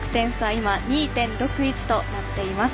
今、２．６１となっています。